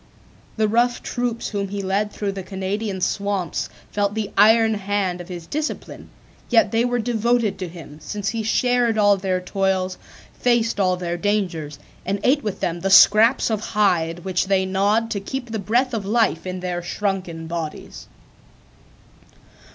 The rough troops whom he led through the Canadian swamps felt the iron hand of his discipline; yet they were devoted to him, since he shared all their toils, faced all their dangers, and ate with them the scraps of hide which they gnawed to keep the breath of life in their shrunken bodies.